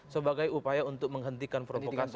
sebagai upaya untuk menghentikan provokasi